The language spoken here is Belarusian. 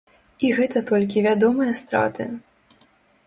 І гэта толькі вядомыя страты.